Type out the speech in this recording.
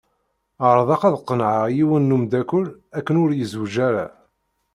Ԑerḍeɣ ad qennεeɣ yiwen n wemdakel akken ur izewweǧ ara.